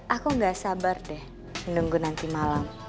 aku gak sabar deh menunggu nanti malam